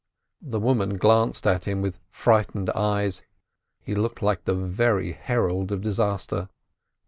The woman glanced at him with frightened eyes. He looked like the very herald of disaster.